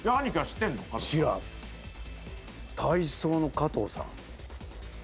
知らん体操の加藤さん